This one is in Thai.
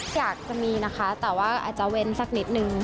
อยากจะมีนะคะแต่ว่าอาจจะเว้นสักนิดนึง